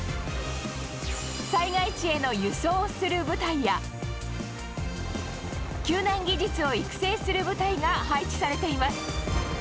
災害地への輸送をする部隊や、救難技術を育成する部隊が配置されています。